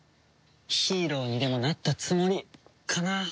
ヒーローにでもなったつもりかな？